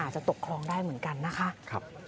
จะตกคลองได้เหมือนกันนะคะ